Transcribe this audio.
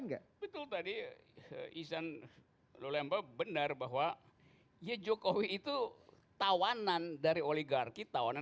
enggak betul tadi izan lulemba benar bahwa ya jokowi itu tawanan dari oligarki tawanan